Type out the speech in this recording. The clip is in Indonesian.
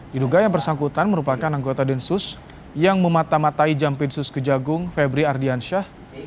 di duga yang bersangkutan merupakan anggota densus yang mematamatai jampinsus kejaksaan agung febri ardiansyah